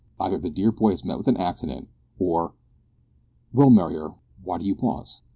Either the dear boy has met with an accident, or " "Well, Mariar, why do you pause?"